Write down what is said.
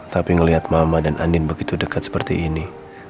tapi ngeliat mama dan andin begitu dekat seperti ini